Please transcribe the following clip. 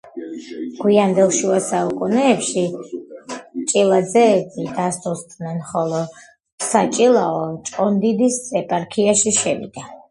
გვიანდელ შუა საუკუნეებში ჭილაძეები დასუსტდნენ, ხოლო საჭილაო ჭყონდიდის ეპარქიაში შევიდა.